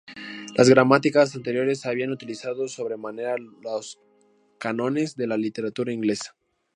Las gramáticas anteriores habían utilizado sobremanera los cánones de la literatura inglesa.